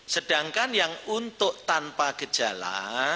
sedangkan yang untuk tanpa gejala